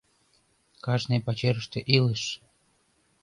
Кажне пачерыште илыш